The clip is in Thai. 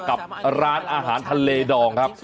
กับร้านอาหารทะเลดองครับ